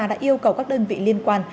đã yêu cầu các đơn vị liên quan